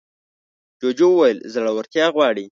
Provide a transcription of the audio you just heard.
جوجو وویل زړورتيا غواړي.